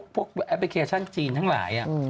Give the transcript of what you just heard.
แอปพลิเคชันจีนทั้งหลาย